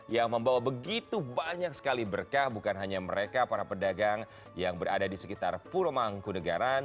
yang membawa begitu banyak sekali berkah bukan hanya mereka para pedagang yang berada di sekitar pura mangkudegaran